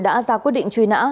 đã ra quyết định truy nã